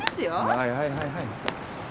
はいはいはいはい。